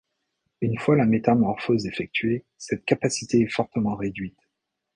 Une fois la métamorphose effectuée, cette capacité est fortement réduite.